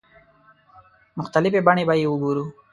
مختلفې بڼې به یې وګورو.